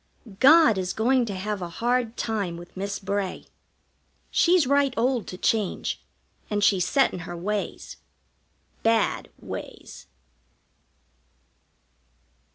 God is going to have a hard time with Miss Bray. She's right old to change, and she's set in her ways bad ways.